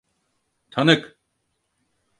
Tanık…